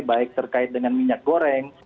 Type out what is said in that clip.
baik terkait dengan minyak goreng